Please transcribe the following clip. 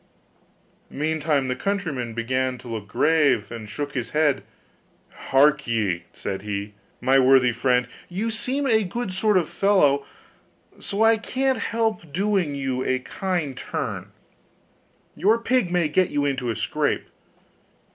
Meantime the countryman began to look grave, and shook his head. 'Hark ye!' said he, 'my worthy friend, you seem a good sort of fellow, so I can't help doing you a kind turn. Your pig may get you into a scrape.